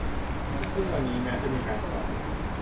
ซึ่งวันนี้แม้จะมีการสอน